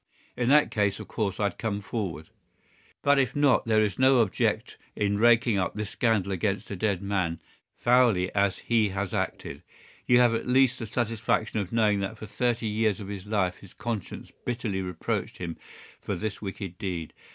"In that case, of course, I'd come forward." "But if not, there is no object in raking up this scandal against a dead man, foully as he has acted. You have at least the satisfaction of knowing that for thirty years of his life his conscience bitterly reproached him for this wicked deed.